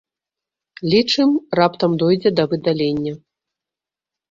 Лічым, раптам дойдзе да выдалення.